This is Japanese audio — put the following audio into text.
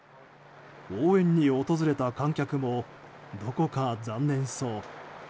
応援に訪れた観客もどこか残念そう。